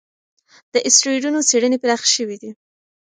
د اسټروېډونو څېړنې پراخې شوې دي.